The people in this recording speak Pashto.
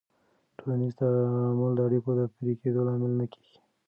ټولنیز تعامل د اړیکو د پرې کېدو لامل نه کېږي.